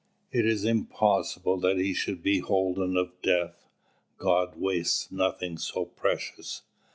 It is impossible that he should be holden of death. God wastes nothing so precious.